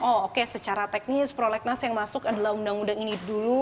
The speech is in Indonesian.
oh oke secara teknis prolegnas yang masuk adalah undang undang ini dulu